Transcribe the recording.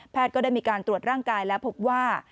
ก็ได้มีการตรวจร่างกายและพบว่า